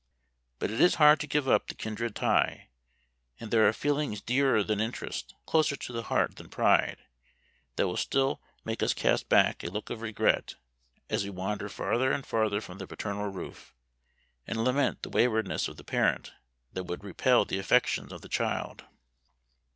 But it is hard to give up the kindred tie! and there are feelings dearer than interest closer to the heart than pride that will still make us cast back a look of regret as we wander farther and farther from the paternal roof, and lament the waywardness of the parent that would repel the affections of the child.